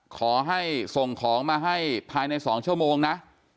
ขอให้ส่งของมาให้ภายใน๒ชั่วโมงนะ